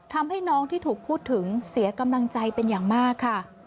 ทำให้น้องที่ถูกพูดถึงเสียกำลังใจเป็นอย่างมากค่ะ